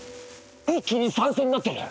一気に酸性になってる！